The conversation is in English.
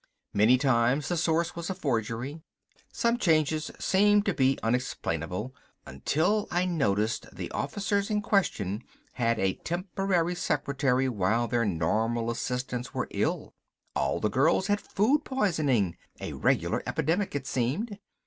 Many times the source was a forgery. Some changes seemed to be unexplainable, until I noticed the officers in question had a temporary secretary while their normal assistants were ill. All the girls had food poisoning, a regular epidemic it seemed.